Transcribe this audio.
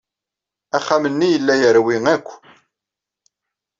Axxam-nni yella yerwi akk.